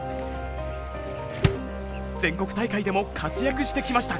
全国大会でも活躍してきました。